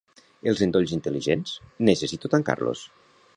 Els endolls intel·ligents, necessito tancar-los.